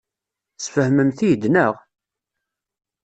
Tesfehmem-t-id, naɣ?